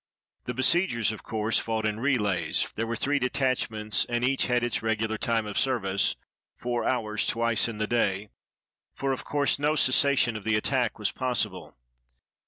The besiegers, of course, fought in relays; there were three detachments, and each had its regular time of service, four hours twice in the day, for of course no cessation of the attack was possible.